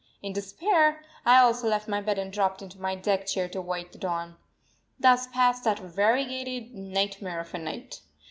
In despair, I also left my bed and dropped into my deck chair to await the dawn. Thus passed that variegated nightmare of a night.